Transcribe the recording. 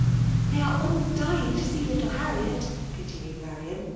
*' They are all dying to see little Hametl" continued Marian